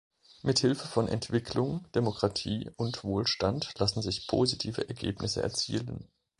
Mit Hilfe von Entwicklung, Demokratie und Wohlstand lassen sich positive Ergebnisse erzielen.